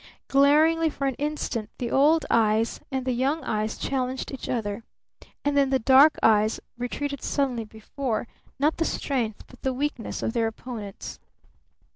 Glaringly for an instant the old eyes and the young eyes challenged each other, and then the dark eyes retreated suddenly before not the strength but the weakness of their opponents.